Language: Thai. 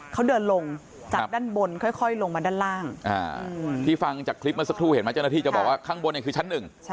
เขาเดินลงจากด้านบนค่อยลงมาด้านล่างที่ฟังจากคลิปเมื่อสักครู่เห็นไหมเจ้าหน้าที่จะบอกว่าข้างบนเนี่ยคือชั้นหนึ่ง